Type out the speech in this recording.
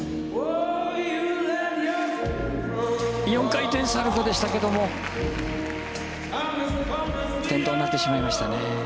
４回転サルコウでしたけども転倒になってしまいましたね。